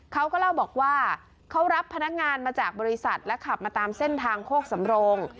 เขาก็เล่าบอกว่าเขารับพนักงานมาจากบริษัทและขับมาตามเส้นทางโคกสำโรง